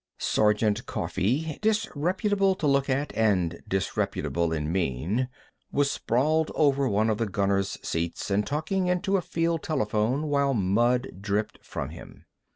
Sergeant Coffee, disreputable to look at and disrespectful of mien, was sprawling over one of the gunners' seats and talking into a field telephone while mud dripped from him.